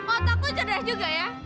oh kakku cerdas juga ya